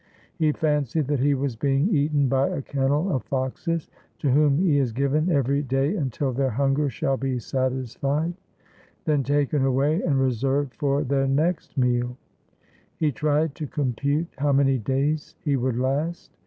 He fancied that he was being eaten by a kennel of foxes, to whom he is given every day until their hunger shall be satisfied; then taken away and reserved for their next meal. He tried to compute how many days he would last.